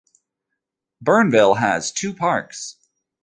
Bernville has two parks.